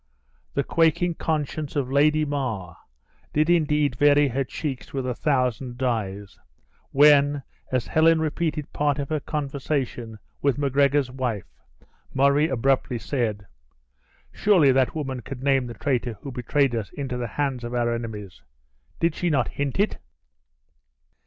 The quaking conscience of Lady mar did indeed vary her cheeks with a thousand dyes, when, as Helen repeated part of her conversation with Macgregor's wife, Murray abruptly said, "Surely that woman could name the traitor who betrayed us into the hands of our enemies! Did she not hint it?"